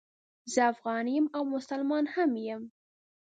زه افغان یم او مسلمان هم یم